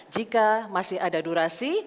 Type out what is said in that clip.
jika masih ada durasi